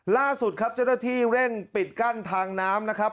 ล่าสุดครับเจ้าหน้าที่เร่งปิดกั้นทางน้ำนะครับ